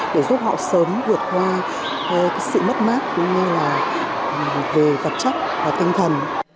để giúp họ sớm vượt qua sự mất mát về vật chất và tinh thần